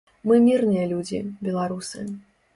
Мы мірныя людзі, беларусы.